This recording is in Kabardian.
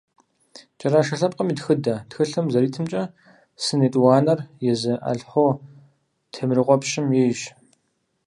«КӀэрашэ лъэпкъым и тхыдэ» тхылъым зэритымкӀэ, сын етӀуанэр езы Алъхъо Темрыкъуэпщым ейщ.